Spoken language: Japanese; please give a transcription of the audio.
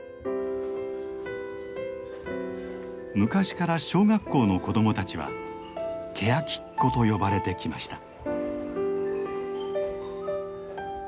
昔から小学校の子供たちは「ケヤキっ子」と呼ばれてきました。